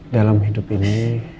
dalam hidup ini